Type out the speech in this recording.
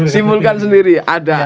simpulkan sendiri ada